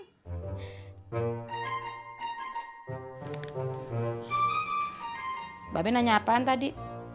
mbak ben nanya apaan tadi